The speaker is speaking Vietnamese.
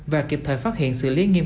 và kịp thời phát hiện sự liên nghiêm